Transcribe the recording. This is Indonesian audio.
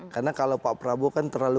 karena kalau pak prabowo kan terlalu